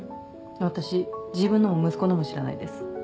私自分のも息子のも知らないです